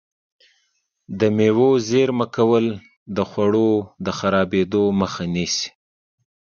د مېوو زېرمه کول د خوړو د خرابېدو مخه نیسي.